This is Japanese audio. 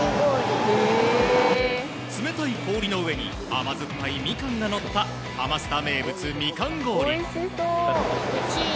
冷たい氷の上に甘酸っぱいミカンがのったハマスタ名物、みかん氷。